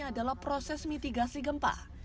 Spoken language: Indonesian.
adalah proses mitigasi gempa